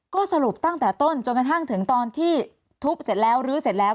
ก็สรุปตั้งแต่ต้นจนกระทั่งถึงตอนที่ทุบเสร็จแล้วลื้อเสร็จแล้ว